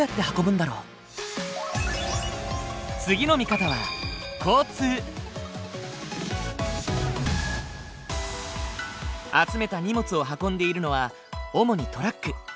次の見方は集めた荷物を運んでいるのは主にトラック。